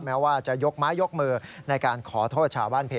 แม้ว่าจะยกไม้ยกมือในการขอโทษชาวบ้านเพ